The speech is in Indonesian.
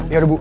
ya udah bu